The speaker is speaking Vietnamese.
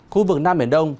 khu vực nam biển đông